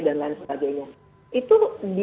dan lain sebagainya itu